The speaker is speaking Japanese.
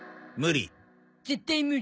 無理。